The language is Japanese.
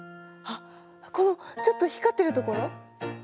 あっこのちょっと光ってるところ？